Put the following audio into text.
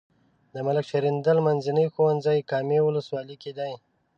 د ملک شیریندل منځنی ښوونځی کامې ولسوالۍ کې دی.